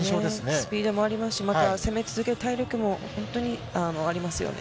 スピードもありますし、また攻め続ける体力も本当にありますよね。